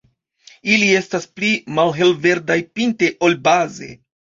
Ili estas pli malhel-verdaj pinte ol baze.